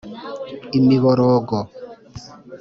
imiborogo